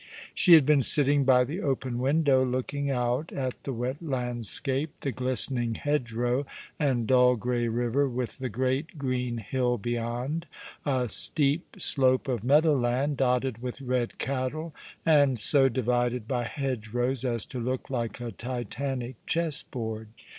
She had been sitting by the open window, looking out at the wet landscape, the glistening hedgerow and dull grey river, with the great, green hill beyond, a steep slope of meadow land, dotted with red cattle, and so divided by hedgerows, as to look like a Titanic chessboard.